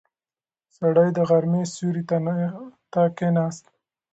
سړی د غرمې سیوري ته کیناست.